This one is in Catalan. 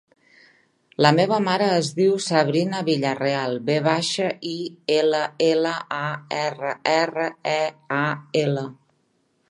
La meva mare es diu Sabrina Villarreal: ve baixa, i, ela, ela, a, erra, erra, e, a, ela.